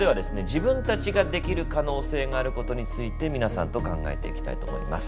自分たちができる可能性があることについて皆さんと考えていきたいと思います。